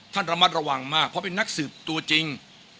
ท่านระมัดระวังมากเพราะเป็นนักสืบตัวจริง